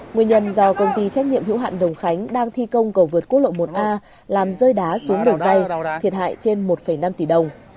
nguyên nhân do công ty trách nhiệm hữu hạn đồng khánh đang thi công cầu vượt quốc lộ một a làm rơi đá xuống đường dây thiệt hại trên một năm tỷ đồng